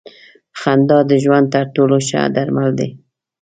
خندا د ژوند تر ټولو ښه درمل دی.